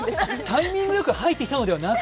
タイミングよく入ってきたのではなく、